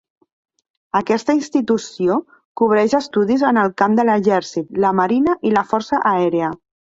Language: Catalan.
Aquesta institució cobreix estudis en el camp de l'exèrcit, la marina i la força aèria.